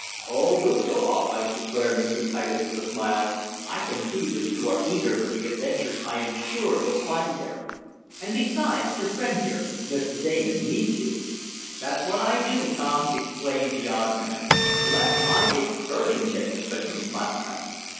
"Oh, you'll go all right!" declared Mr. Titus with a smile. "I can see that you are eager for the adventures I am sure you'll find there, and, besides, your friend here, Mr. Damon, needs you." "That's what I do, Tom!" exclaimed the odd man. "Bless my excursion ticket, but you must come!"